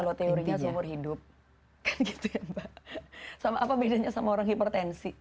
kalau teorinya seumur hidup kan gitu ya mbak sama apa bedanya sama orang hipertensi